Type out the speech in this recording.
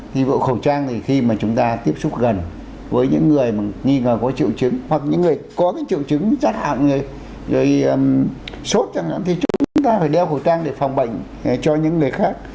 ví dụ khẩu trang thì khi mà chúng ta tiếp xúc gần với những người mà nghi ngờ có triệu chứng hoặc những người có cái triệu chứng chắc hẳn rồi sốt chẳng hạn thì chúng ta phải đeo khẩu trang để phòng bệnh cho những người khác